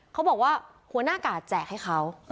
เขาบอกว่าหัวหน้ากากแจกให้เขา